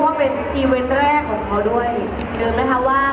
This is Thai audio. ว่าเป็นอีเวนต์แรกของเขาด้วย